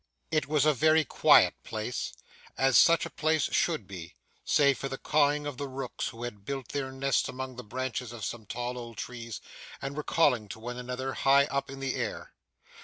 It was a very quiet place, as such a place should be, save for the cawing of the rooks who had built their nests among the branches of some tall old trees, and were calling to one another, high up in the air.